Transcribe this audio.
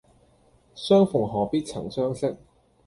相逢何必曾相識